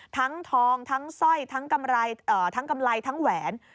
ทั้งทองทั้งสร้อยทั้งกำไรทั้งแหวน